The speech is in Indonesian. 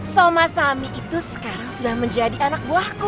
soma sami itu sekarang sudah menjadi anak buahku